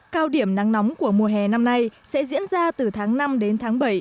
cao điểm nắng nóng của mùa hè năm nay sẽ diễn ra từ tháng năm đến tháng bảy